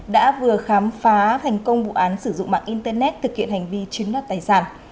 đã vừa khám phá thành công vụ án sử dụng mạng internet thực hiện hành vi chiếm đất tài sản